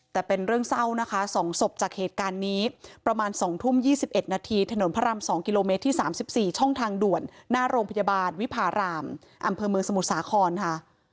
แต่เป็นเรื่องเศร้านะคะ๒ศพจากเหตุการณ์นี้ประมาณ๒ทุ่ม๒๑นาทีถนนพระราม๒กิโลเมตรที่๓๔ช่องทางด่วนหน้าโรงพยาบาลวิพารามอำเภอเมืองสมุทรสาครค่ะ